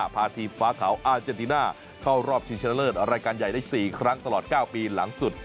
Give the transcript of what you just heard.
พาทีมฟ้าขาวอาเจนติน่าเข้ารอบชิงชนะเลิศรายการใหญ่ได้๔ครั้งตลอด๙ปีหลังสุด